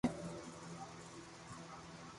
جي مي تين ڪمرا ھي